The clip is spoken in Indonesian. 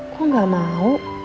kok gak mau